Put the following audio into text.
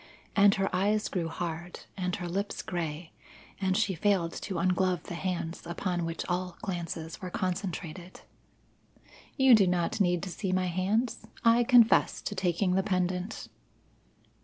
And her eyes grew hard, and her lips grey, and she failed to unglove the hands upon which all glances were concentrated. "You do not need to see my hands; I confess to taking the pendant."